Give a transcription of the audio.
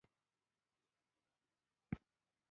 کېله د سرطان ضد انتياکسیدان لري.